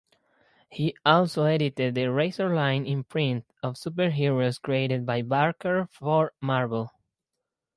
He also edited the "Razorline" imprint of superheroes created by Barker for Marvel.